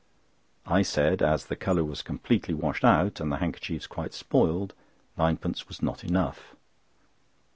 I said, as the colour was completely washed out and the handkerchiefs quite spoiled, ninepence was not enough.